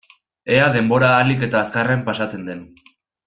Ea denbora ahalik eta azkarren pasatzen den.